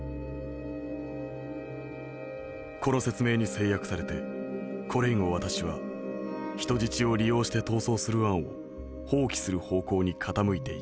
この説明に制約されてこれ以後私は人質を利用して逃走する案を放棄する方向に傾いていく」。